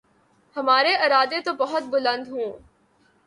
ہمارے ارادے تو بہت بلند ہوں۔